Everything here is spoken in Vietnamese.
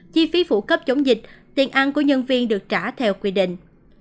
chi phí phụ cấp chống dịch tiền ăn của nhân viên được trả theo quy định